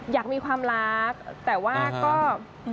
อยากมีความรักแต่ว่าก็